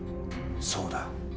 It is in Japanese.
そうだ。